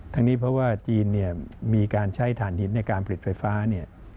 ทั้งนี้เพราะว่าจีนมีการใช้ฐานหินในการผลิตไฟฟ้า